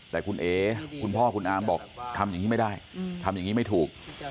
แต่คุณเอ๋คุณพ่อคุณอามบอกทำอย่างนี้ไม่ได้ทำอย่างนี้ไม่ถูก